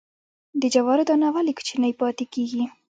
د جوارو دانه ولې کوچنۍ پاتې کیږي؟